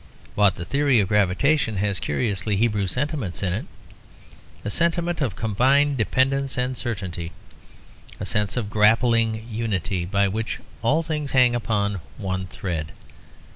But the theory of gravitation has a curiously Hebrew sentiment in it a sentiment of combined dependence and certainty, a sense of grappling unity, by which all things hang upon one thread.